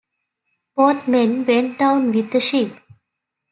Both men went down with the ship.